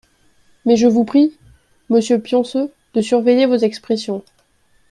Mais je vous prie, monsieur Pionceux, de surveiller vos expressions.